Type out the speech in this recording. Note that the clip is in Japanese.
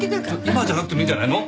今じゃなくてもいいんじゃないの？